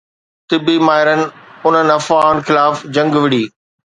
طبي ماهرن انهن افواهن خلاف جنگ وڙهي